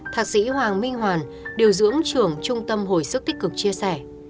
thạc sĩ hoàng minh hoàn điều dưỡng trưởng trung tâm hồi sức tích cực chia sẻ